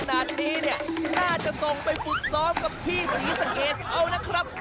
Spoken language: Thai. น่าจะส่งไปฝึกซ้อมกับพี่ศรีสังเกตเขานะครับ